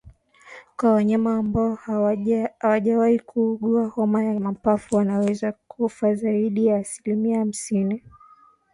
Kwa wanyama ambao hawajawahi kuugua homa ya mapafu wanaweza kufa zaidi ya asilimia hamsini